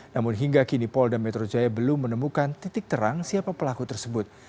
namun hingga kini polda metro jaya belum menemukan titik terang siapa pelaku tersebut